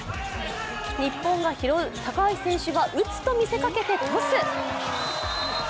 日本が拾う、高橋選手が打つと見せかけてトス。